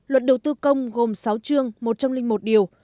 luật đầu tư công gồm sáu chương một trăm linh một điều